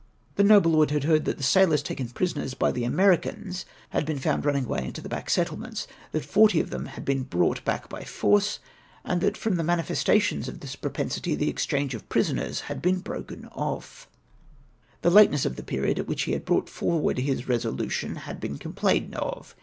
The noble lord had heard that the sailors taken prisoners by the Americans had been found running away into the bade settlements,; that forty of them had been brought back by force, and that from the manifestations of this propensity the exchange of prisoners had been broken off. " The lateness of the period at which he had brought for ward his resolution had been complained of.